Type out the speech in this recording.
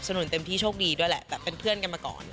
นุนเต็มที่โชคดีด้วยแหละแบบเป็นเพื่อนกันมาก่อน